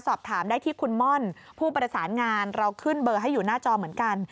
สอบถามได้ที่คุณม่อนผู้ประสานงานเราขึ้นเบอร์ให้อยู่หน้าจอเหมือนกัน